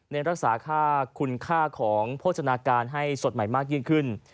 รักษาค่าคุณค่าของโภชนาการให้สดใหม่มากยิ่งขึ้น